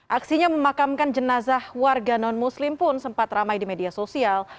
aksinya memakamkan jenazah warga non muslim pun sempat ramai di media sosial